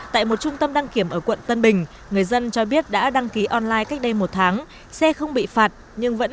tại một trung tâm đăng kiểm ở quận tân bình